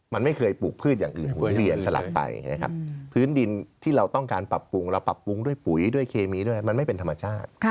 มันไม่เคยปลูกพืชอย่างอื่นหวนเวียนสลับไปพื้นดินที่เราต้องการปรับปรุงเราปรับปรุงด้วยปุ๋ยด้วยเคมีด้วยมันไม่เป็นธรรมชาติ